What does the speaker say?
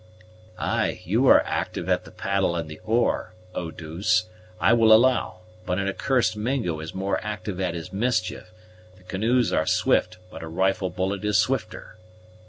"Ay, you are active at the paddle and the oar, Eau douce, I will allow, but an accursed Mingo is more active at his mischief; the canoes are swift, but a rifle bullet is swifter."